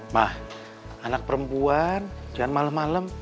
mah anak perempuan jangan malem malem